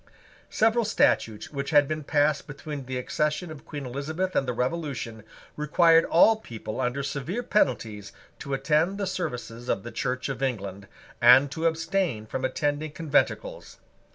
Several statutes which had been passed between the accession of Queen Elizabeth and the Revolution required all people under severe penalties to attend the services of the Church of England, and to abstain from attending conventicles.